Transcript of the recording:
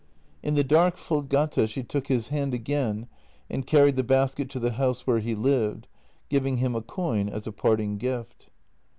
In the dark Voldgata she took his hand again and carried the basket to the house where he lived, giving him a coin as a part ing gift.